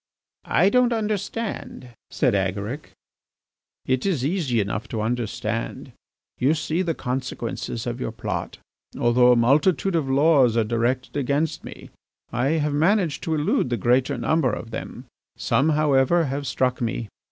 "I don't understand," said Agaric. "It is easy enough to understand. You see the consequences of your plot. Although a multitude of laws are directed against me I have managed to elude the greater number of them. Some, however, have struck me.